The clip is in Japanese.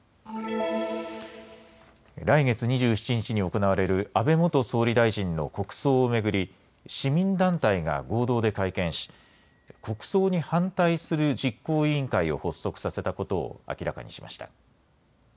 来月２７日に行われる、安倍元総理大臣の国葬を巡り、市民団体が合同で会見し、国葬に反対する実行委員会を発足させたことを明らかにしました。